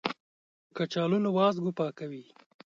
کچالو له وازګو پاکوي